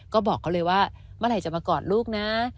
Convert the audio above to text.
ก็บอกเขาเลยว่าเมื่อไหร่จะมากอดลูกนะ